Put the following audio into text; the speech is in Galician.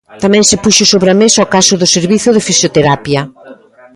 Tamén se puxo sobre a mesa o caso do servizo de Fisioterapia.